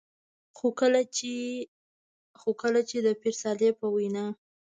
خو چې کله د پير صالح په وېنا